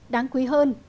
đáng quý hơn